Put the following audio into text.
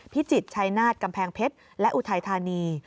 พิจิตรชัยนาฏกำแพงเพชรและอุทัยธานี